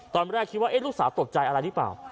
ตอนแรกคิดว่าลูกสาวตกใจอะไรหรือเปล่า